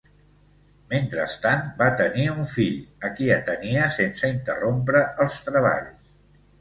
Mentrestant va tenir un fill, a qui atenia sense interrompre els treballs.